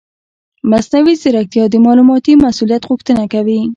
مصنوعي ځیرکتیا د معلوماتي مسؤلیت غوښتنه کوي.